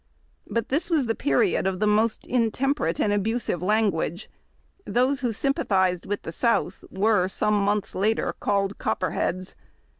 But this was the period of the most intemperate and abusive language. Those who sympathized with the South were, some montlis later, called Copperheads.